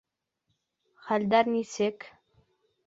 — Хәлдәр нисек?